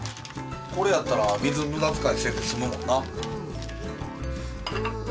これやったら水無駄遣いせんで済むもんな。